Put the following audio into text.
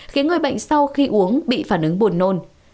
khiến người bệnh sau khi uống bị phản ứng buồn nôn